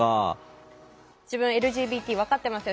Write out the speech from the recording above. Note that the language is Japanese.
「自分はＬＧＢＴ分かってますよ。